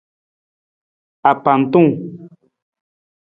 Apantung.